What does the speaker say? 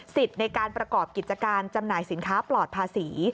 ในการประกอบกิจการจำหน่ายสินค้าปลอดภาษี